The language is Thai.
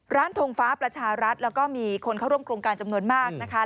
ทงฟ้าประชารัฐแล้วก็มีคนเข้าร่วมโครงการจำนวนมากนะคะ